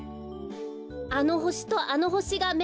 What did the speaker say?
あのほしとあのほしがめ。